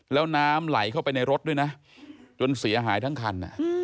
แล้วน้ำไหลเข้าไปในรถด้วยนะจนเสียหายทั้งคัน